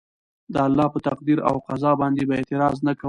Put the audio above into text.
د الله په تقدير او قضاء باندي به اعتراض نه کوي